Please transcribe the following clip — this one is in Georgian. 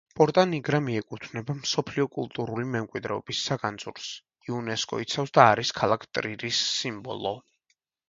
პორტა ნიგრა მიეკუთვნება მსოფლიო კულტურული მემკვიდრეობის საგანძურს, იუნესკო იცავს და არის ქალაქ ტრირის სიმბოლო.